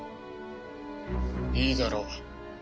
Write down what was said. いいだろう。